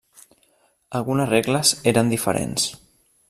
Algunes regles eren diferents.